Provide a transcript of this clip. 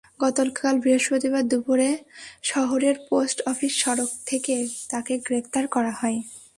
গতকাল বৃহস্পতিবার দুপুরে শহরের পোস্ট অফিস সড়ক থেকে তাঁকে গ্রেপ্তার করা হয়।